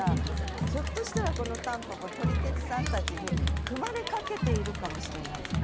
ひょっとしたらこの蒲公英撮り鉄さんたちに踏まれかけているかもしれないじゃない？